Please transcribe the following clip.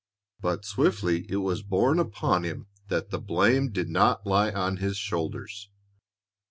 But swiftly it was borne upon him that the blame did not lie on his shoulders.